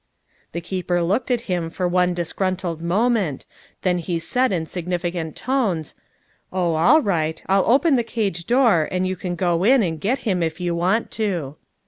The keeper looked at him for one disgusted moment, then he said in significant tones: "Oil, all right; I'll open the cage door, and you can go in and get him if you want to."